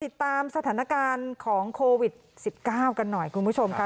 ติดตามสถานการณ์ของโควิด๑๙กันหน่อยคุณผู้ชมค่ะ